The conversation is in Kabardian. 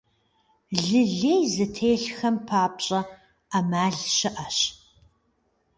Лы лей зытелъхэм папщӀэ Ӏэмал щыӀэщ.